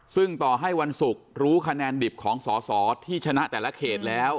ซึ่งต่อให้วันศุกร์รู้คะแนนดิบของสอสอที่ชนะแต่ละเขตแล้ว